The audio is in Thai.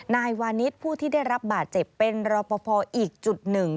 นายวานิสผู้ที่ได้รับบาดเจ็บเป็นรอปภอีกจุดหนึ่ง